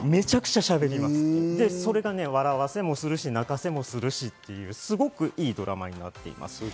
それが笑わせもするし、泣かせもするしっていう、すごくいいドラマになっています。